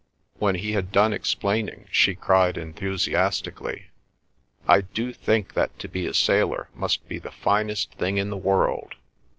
When he had done explaining, she cried enthusiastically: "I do think that to be a sailor must be the finest thing in the world!"